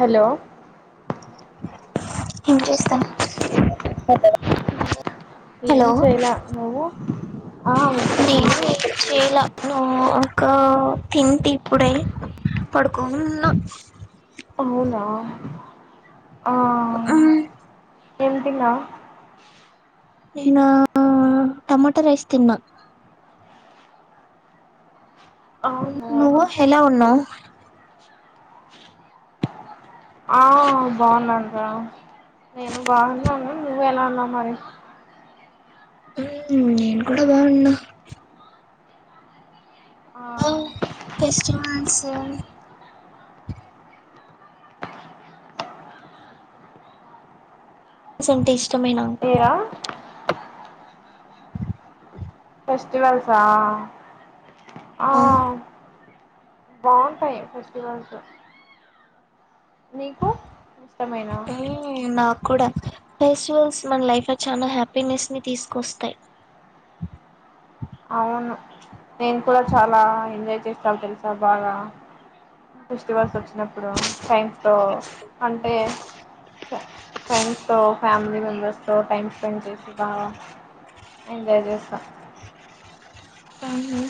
Hello ఏం చేస్తనవ్ ఏం చేయలా నువ్వు ఆ నేను వినపడుతుందా ఏం చేయలా గం ఒకా తింటి ఇప్పుడే పడుకోనున్నా అవునా ఆ మ్మ్ ఏం తిన్నావ్ నేనా టమాటా రైస్ తిన్నా అవునా నువ్వు ఎలా ఉన్నా ఆ బాగున్నానురా నేను బాగున్నాను నువ్వు ఎలా ఉన్నావ్ మరి నేను కూడా బాగున్నా ఆ ఓ ఫెస్టివల్స్ సంటె ఇష్ ఏరా ఫెస్టివల్స ఆ బావుంటాయి ఫెస్టివల్స్ నీకు ఇష్టమేనా మ్మ్ నా కూడా ఫెస్టివల్స్ మన లైఫ్ లో చానా హ్యాపీనెస్ ని తీసుకొస్తాయి అవును నేను కూడా చాలా ఎంజాయ్ చేస్తం తెలుసా బాగా ఫిస్టివల్స్ వచ్చినప్పుడు ఫ్రెండ్స్ తో అంటే ఫ్రెండ్స్ తో ఫ్యామిలీ మెంబెర్స్ తో టైమ్ స్పెండ్ చేస్తా ఎంజాయ్ చేస్తా అవునా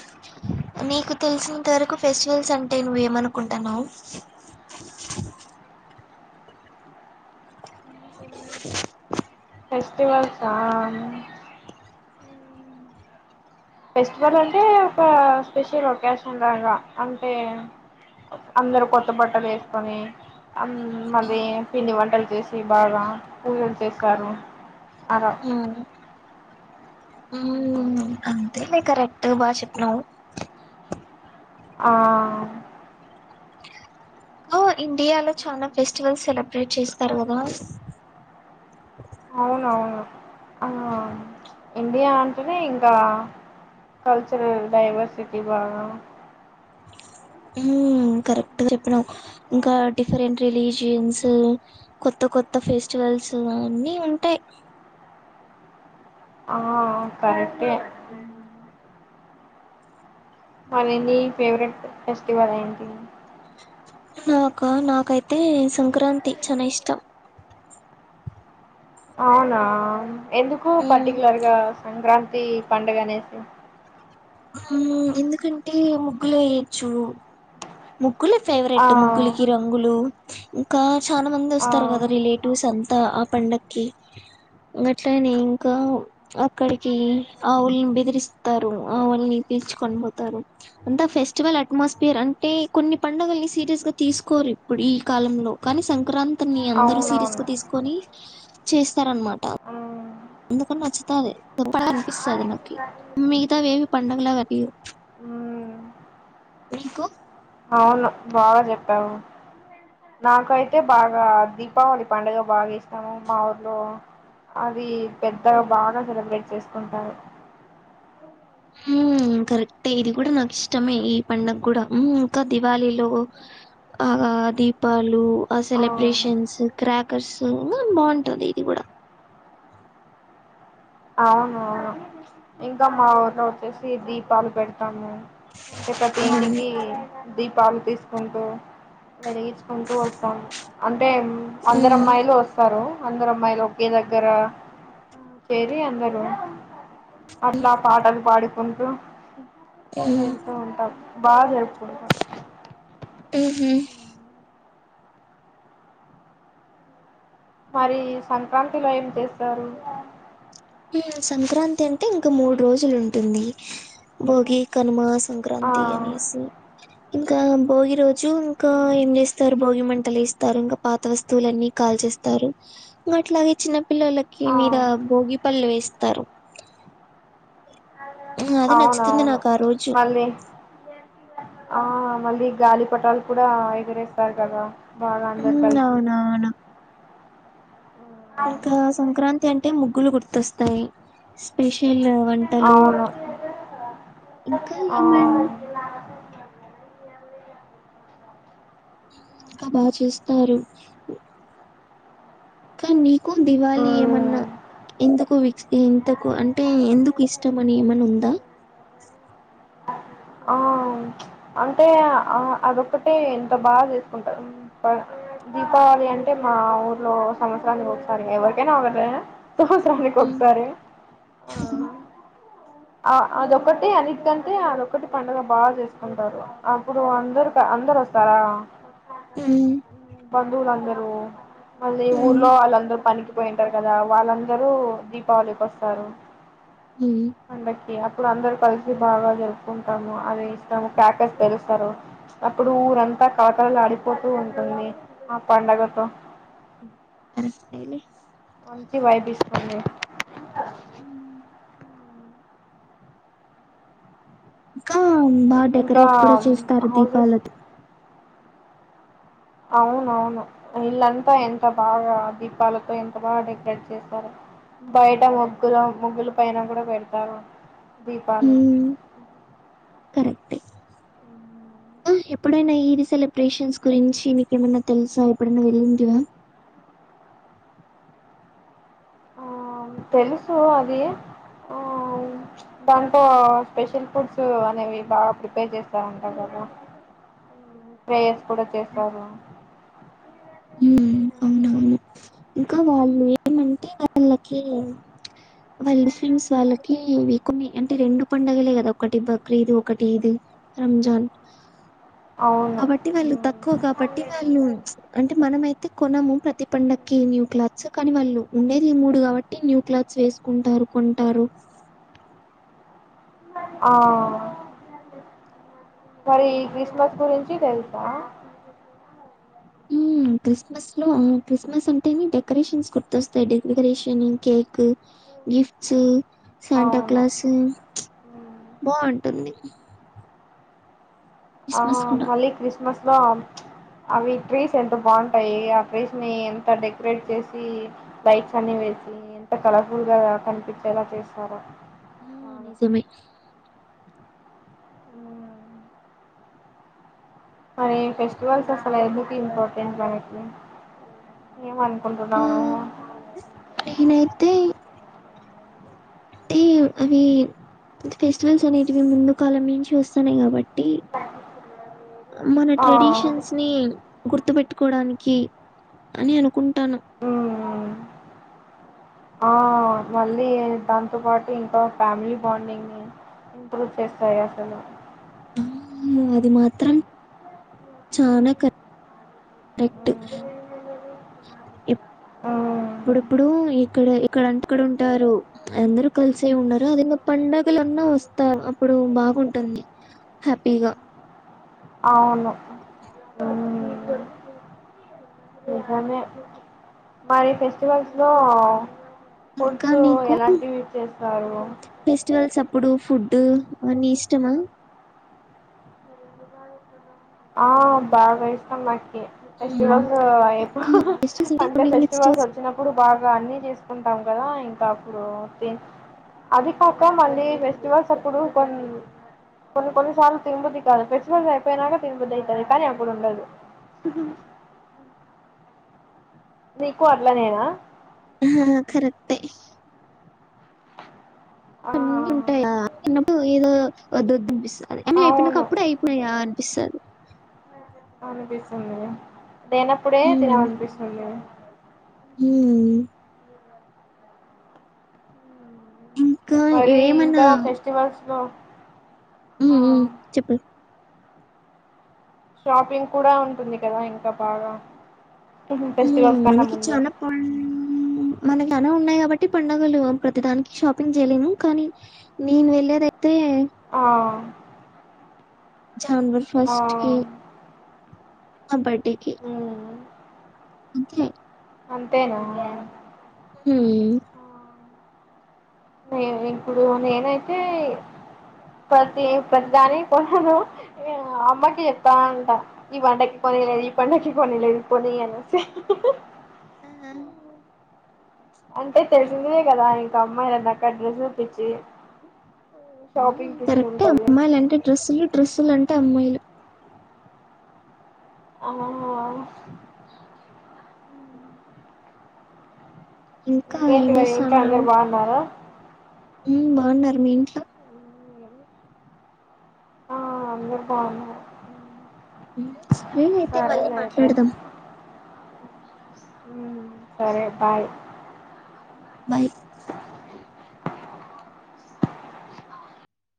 నీకు తెలిసినంత వరకు ఫెస్టివల్స్ అంటే నువ్వు ఏమనుకుంటన్నవు ఫెస్టివల్సా ఫెస్టివల్ అంటే ఒక స్పెషల్ ఒకేషన్ లాగా అంటే అందరు కొత్త బట్టలు ఏసుకొని ఆ మల్లి పిండి వంటలు చేసి బాగా పూజలు చేస్తారు అరో మ్మ్ అంతే మే కరెక్ట్ బా చెప్పినవ్ ఆ ఓ ఇండియాలో చానా ఫెస్టివల్ సెలబ్రేట్ చేస్తారు కదా అవునవును ఆ ఇండియా అంటేనే ఇంకా కల్చరల్ డైవర్సిటీ బాగా మ్మ్ కరెక్ట్ గా చెప్పినవ్ ఇంకా డిఫరెంట్ రిలీజియన్స్ కొత్త కొత్త ఫెస్టివ కలుసువా అన్నీ ఉంటాయి ఆ ఆ కరెక్టె మరి ఏంది నీ ఫేవరెట్ ఫెస్టివల్ ఏంటి నాకా నాకైతే సంక్రాంతి చానా ఇష్టం అవునా ఎందుకు పర్టికులర్ గా సంక్రాంతి ఇది పండగ అనేసి ఆ ఎందుకంటే ముగ్గులు వేయొచ్చు ముగ్ ముగ్గులే ఆ ఫేవరెట్ ముగ్గులకి రంగులు ఇంకా చానా మంది ఆ వస్తారు కదా రిలేటివ్స్ అంతా ఆ పండక్కి అట్లనే ఇంకా అక్కడికి ఆవుల్ని పిలిపిస్తారు ఆవుల్ని పిలుచుకొని పోతారు అంటే ఫెస్టివల్ అట్మాస్పియరా అంటే కొన్ని పండుగల్ని సీరియస్ గా తీసుకోరు ఇప్పుడు ఈ కాలంలో కానీ సంక్రాంతి త్రిని అందరు సీరియస్ అవునవును గా తీసుకొని చేస్తారనమాట మ్మ్, అందుకని నచ్చుతాది [unintelligible] అనిపిస్తాది నాకి మిగతావేవి పండగలా అగుపియ్యావు ఆ ఎందుకొ అవును బాగా చెప్పావు నాకయితే బాగా దీపావళి పండుగ బాగా ఇష్టము మా ఊర్లో అది పెద్దగా బాగా సెలబ్రేట్ చేసుకుంటారు మ్మ్ కరెక్టే ఇది కూడా నాకు ఇష్టమే ఈ పండగ కూడా మ్మ్ ఇంకా దివాళీలో ఆ దీపాలు ఆ సెలబ్రేషన్స్ క్రాకర్స్ బాగుంటాది ఇది కూడా అవునవును ఇంకా మా ఊర్లో వచ్చేసి దీపాలు పెడతాము అంటే ప్రతి ఉమ్ ఇంటికి దీ పాలు తీసుకుంటూ వెలిగించుకుంటూ వస్తాం అ అంటే అందరు అమ్మాయిలు వస్తారు అందరు అమ్మాయిలు ఒకే దగ్గర చేరి అందరూ అట్లా పాటలు పాడుకుంటూ ఉమ్ కుంటు ఉంటాం బాగా జరుపుకుంటాం మ్మ్ మరి సంక్రాంతిలో ఏం చేస్తారు సంక్రాంతి అంటే ఇంకా మూడు రోజులు ఉంటుంది భోగి కనుమస్ ఆ సంక్రాంతి అనేసి ఇంకా భోగి రోజు ఇంకా ఏం చేస్తారు భోగి మంట ఎస్తారు ఇంకా పాత వస్తువులన్నీ కాల్చేస్తారు ఇంగా అట్లానే చిన్న పిల్లొల్లకి ఆ మీద భోగి పళ్ళు వేస్తారు ఉమ్, అది నచ్చుతుంది అవునవును నాకు ఆ రోజు మళ్ళీ ఆ మళ్ళీ గాలి పటాలు కూడా ఎగిరేస్తారు కదా బాగా అందరు ఉమ్, కలిసి అవునవును ఇంకా సంక్రాంతి అంటే ముగ్గులు గుర్తొస్తాయి స్పెషల్ వంటలు అవును ఇంకా ఆ ఏమన్ ఇంకా బాగా చేస్తారు ఇంకా నీకు దివాళి ఏమన్నా మ్మ్ ఎంతకు వి ఇంతకు అంటే ఎందుకు ఇష్టం అని ఏమన్న ఉందా ఆ అంటే ఆ అదొక్కటే ఎంత బాగా చేసుకుంటారు దీపావళి అంటే మా ఊర్లో సంవత్సరానికి ఒకసారి ఎవరికైనా అవ్వల నిక్ ఒక హ్మ్ సారే ఆ ఆ అదొక్కటి అనిట్ కంటే అదొక్కటి పండగ బాగా చేసుకుంటారు అప్పుడు అందరు అందరు వస్తారా ఉ వందుూ వందరు మళ్ళీ ఊర్లో వాళ్ళందరూ పనికిపోయింటారు కదా వాళ్ళందరూ దీపావళికి వస్తారు ఉ అప్పుడు అందరు కలిసి బాగా జరుపుకుంటాము అది ఇస్తాము ప్యాకస్ తెలుస్తారు అప్పుడు ఊరంతా కల కల ఆడిపోతూ ఉంటుంది ఆ పండగతో కరెక్టేలే మంచి వైబ్ ఇస్తుంది ఉ బాగా ఇంకా డెకరేట్ కూడా చేస్తారు హౌసెస్ దీపాలతో అవునవును ఇల్లంతా ఎంత బాగా దీపాలతో ఎంత బాగా డెకరేట్ చేశారు బయట ముగ్గులు ముగ్గుల పైన కూడా పెడతారు దీపాలు హ్మ్ కరెక్టే ఎప్పుడైనా ఈది సెలబ్రేషన్స్ గురించి నీకేమైన్నా తెలుసా ఎప్పుడైనా వెళ్ళిందివా ఆ తెలుసు అది ఆ హ్మ్ బంత స్పెషల్ ఫుడ్స్ అనేవి బాగా ప్రిపేర్ చేస్తారంటారు కదా ప్రేయర్స్ కూడా చేస్తారు అవునవును ఇంకా వాళ్ళు ఏమంటే వాళ్ళకి వాళ్ళ ముస్లిం వాళ్ళకి కొన్ని అంటే రెండు పండగలే కదా ఒకటి బక్రీ ఇ ఒకటి ఇది రంజాన్ అవును కాబటి వాళ్ళు మ్మ్. తక్కువ కాబట్టి వాళ్ళు అంటే మనమయితే కొనము ప్రతిపండ కి న్యూ క్లాత్స్ కానీ వాళ్ళు ఉండేది ఈ మూడు కాబట్టి న్యూ క్లాత్స్ వేసుకుంటారు కొంటారు ఆ మరి ఈ క్రిస్మస్ గురించి తెలుసా అ క్రిస్మస్ లో క్రిస్మస్ అంటే డెకరేషన్స్ గుర్తొస్తాయి డెకరేషన్ కేక్ గిఫ్ట్స్ శాంటా అవును క్లాస్ మ్మ్. బాగుంటుంది ఆ కూడా. మళ్ళ క్రిస్మస్లో అవి ట్రీస్ ఎంత బాగుంటాయి ఆ ట్రీస్ ని ఎంత డెకరేట్ చేసి లైట్స్ అన్ని ఎంత కలర్ఫుల్ గా కనిపించేలా చేస్తారో ఆ అవును. నిజమే ఉ మరి ఫెస్టివల్స్ అసల ఎందుకు ఇంపార్టెంట్ ఆట్ ఏమంత కుంటన్నా ఆహ్, నేనైతే అంటే అవి ఫెస్టివల్స్ అనేటివి ముందు కాలం నుంచి వస్తాన్నాయి కాబట్టి టి మన ఆ ట్రెడిషన్స్ ని గుర్తుపెట్టుకోవడానికి అని అనుకుంటాను మ్మ్ ఆ మళ్ళీ దాంతో పాటు ఇంకా ఫ్యామిలీ బాండింగ్ ని ఇంప్రూవ్ చేస్తాయి అసలు ఉమ్ అది మాత్రం చానా క దట్ మ్మ్ ఇప్ మ్మ్. ఇప్పుడిప్పుడు ఇక్కడ ఇక్కడ అంటె ఇక్కడ ఉంటారు అందరు కలిసే ఉన్నారు అది ఏందో పండగల్ కన్నా వస్తారు అప్పుడు బాగుంటుంది హ్యాపీగా అవును ఉమ్ నిజమే మరి ఫెస్టివల్స్ లో ఇంకా ఫుడ్స్ నీకు ఎలాంటివి చేస్తారు ఇప్పుడు ఫుడ్డ్ అన్ని ఇష్టమా ఆ బాగా ఇష్టం నాక్ కి మ్మ్. ఫెస్టివల్స్ అయి ఫెస్టివల్స్ అంటే కొన్ని కొన్ని ఫెస్టివల్స్ వచ్చినప్పుడు బాగా అన్ని చేసుకున్ టాం కదా ఇంకా అప్పుడు తిన్ అది కాక మళ్ళీ ఫెస్టివల్స్ అప్పుడు కొన్ కొన్ని కొన్ని సార్లు తిన్బుద్ధి కాదు ఫెస్టివల్స్ అయిపోనాకా తిన్బుద్ధి అయితది కానీ అప్పుడు ఉండదు నీకు అట్లనేనా అహహా కరెక్టె ఆ హ ఉంటాయా అన్నప్పుడు ఏదో వద్దొద్దు అనిపిస్తది అన్ని అయిపోయినాకా అవును అప్పుడే అయిపోనాయా అనిపిస్తది అనిపిస్తుంది లేనప్పుడే తినాలనిపిస్తుంది హ్మ్ ఇంకా మరీ ఇంకా ఏమైనా ఫెస్టివల్స్ లో ఉమ్ ఉమ్ చెప్పు షాపింగ్ కూడా ఉంటుంది కదా ఇంకా బాగా ఉమ్ ఫెస్టివల్స్ కన్నా మనకి ముందు చానా పన్న్న్న్ మనకి అనా ఉన్నాయి కాబట్టి పంండగలు ప్రతిదానికి షాపింగ్ చేయలేము కానీ నేను వెళ్లేదే ఆ జాన్వర్ ఆ ఫస్ట్కి నా బర్డేకి మ్మ్ ఒకే అంతేనా హ్హ్ నేన్ ఇప్పుడు నేనైతే ప్రతి ప్రతిదాని కొనను నేను అమ్మకి చెప్తా ఉంటా ఈ పండగ్కి పోయిన ఈ హ్మ్. పండగ్కి కొనియలేదు కొనీ అనేసి ఆహా! అంటే తెలిసిందే కదా ఇంకా అమ్మాయిలన్నాక డ్రెస్ పిచ్చి ఉమ్ షాపింగ్ పిచ్చి కరెక్టే ఉంటది అమ్మాయిలు అంటే డ్రస్సులు, డ్రస్సులు అంటే అమ్మాయిలు ఆ హా హా ఇంకా ఇకేంటి ఏం మరి ఇంకా అందరు బాగున్నారా ఉమ్ బాగున్నారు మీ ఇంట్లో ఆ అందరు బాగున్నారు వీలైతే మళ్ళీ మాట్లాడదాం ఉమ్ సరే బాయ్ బాయి